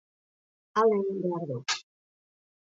Alde egin behar du.